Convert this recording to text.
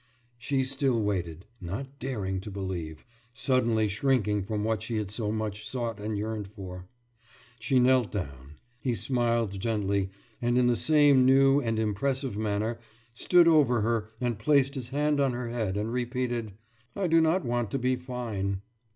« She still waited, not daring to believe, suddenly shrinking from what she had so much sought and yearned for. She knelt down. He smiled gently, and in the same new and impressive manner stood over her and placed his hand on her head and repeated: »I do not want to be fine.